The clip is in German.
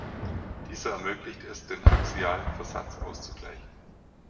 Dieser ermöglicht es, den axialen Versatz auszugleichen.